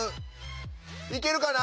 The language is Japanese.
いけるかな？